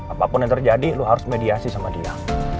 apapun yang terjadi lu harus mediasi sama dia